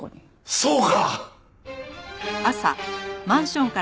そうか！